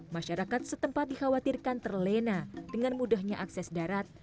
masyarakat setempat dikhawatirkan terlena dengan mudahnya akses darat